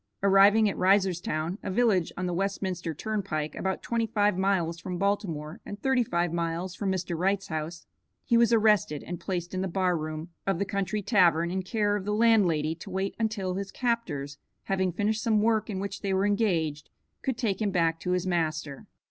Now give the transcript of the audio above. Arriving at Reisterstown, a village on the Westminster turnpike about twenty five miles from Baltimore and thirty five miles from Mr. Wright's house, he was arrested and placed in the bar room of the country tavern in care of the landlady to wait until his captors, having finished some work in which they were engaged, could take him back to his master.